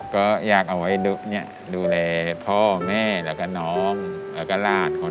ก็อยากเอาไว้ดูเนี้ยดูแลพ่อแม่แล้วก็น้องแล้วก็ราชคน